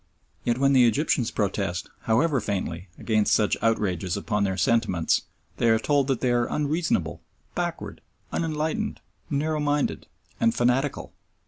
Yet when the Egyptians protest, however faintly, against such outrages upon their sentiments, they are told that they are "unreasonable," "backward," "unenlightened," "narrow minded," and "fanatical."